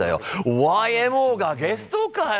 おー、ＹＭＯがゲストかよ！